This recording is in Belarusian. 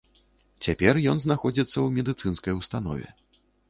Цяпер ён знаходзіцца ў медыцынскай установе.